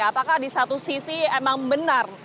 apakah di satu sisi emang benar